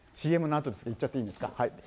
ＣＭのあと？いっちゃっていいですか？